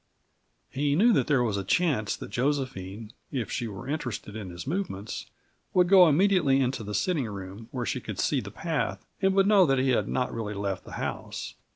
He knew there was a chance that Josephine, if she were interested in his movements, would go immediately into the sitting room, where she could see the path, and would know that he had not really left the house.